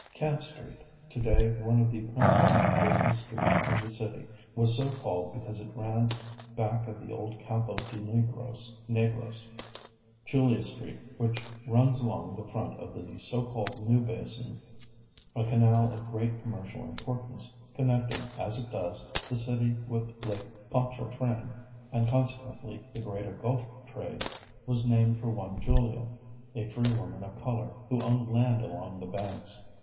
Camp Street, to day one of the principal business streets in the city, was so called because it ran back of the old Campo de Negros. Julia Street, which runs along the front of the so called New Basin, a canal of great commercial importance, connecting, as it does, the city with Lake Pontchartrain, and consequently, the greater gulf trade, was named for one Julia, a free woman of color, who owned land along the banks.